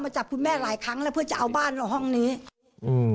จับคุณแม่หลายครั้งแล้วเพื่อจะเอาบ้านเราห้องนี้อืม